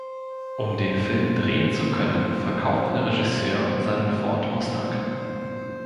Um den Film drehen zu können, verkaufte der Regisseur seinen Ford Mustang.